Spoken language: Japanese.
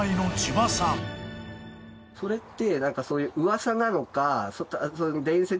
それって。